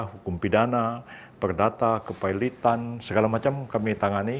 hukum pidana perdata kepilitan segala macam kami tangani